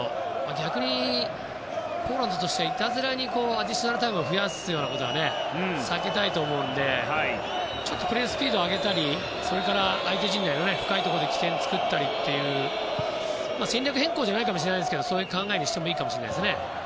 逆にポーランドとしてはいたずらにアディショナルタイムを増やすようなことは避けたいと思うので少しプレースピードを上げたりそれから相手陣内の深いところで起点を作ったり戦略変更じゃないかもしれないですがそういう考えにしてもいいかもしれませんね。